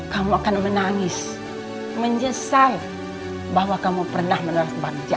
kamu akan menangis menyesal bahwa kamu pernah menolak bagja